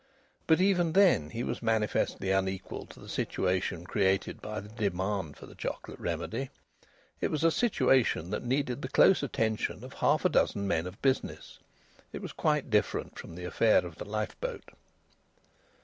But even then he was manifestly unequal to the situation created by the demand for the Chocolate Remedy. It was a situation that needed the close attention of half a dozen men of business. It was quite different from the affair of the lifeboat.